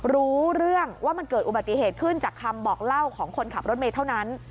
รู้เรื่องว่ามันเกิดอุบัติเหตุขึ้นจากคำบอกเล่าของคนขับรถเมย์เท่านั้น